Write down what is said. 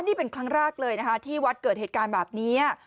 นี่เป็นครั้งแรกเลยนะคะที่วัดเกิดเหตุการณ์แบบนี้